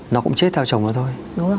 nó cũng chết theo chồng nó thôi